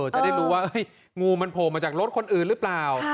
จะได้รู้ว่างูมันโผล่มาจากรถคนอื่นหรือเปล่า